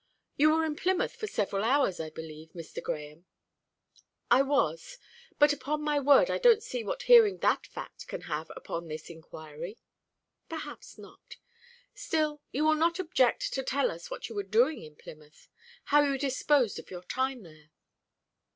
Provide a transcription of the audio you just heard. You were in Plymouth for several hours, I believe, Mr. Grahame?" "I was; but upon my word I don't see what hearing that fact can have upon this inquiry." "Perhaps not. Still, you will not object to tell us what you were doing in Plymouth how you disposed of your time there."